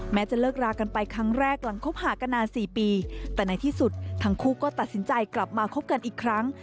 จะเลิกรากันไปครั้งแรกหลังคบหากันนาน๔ปีแต่ในที่สุดทั้งคู่ก็ตัดสินใจกลับมาคบกันอีกครั้ง